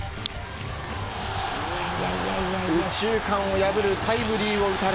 右中間を破るタイムリーを打たれ